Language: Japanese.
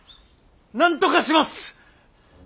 なんとかします！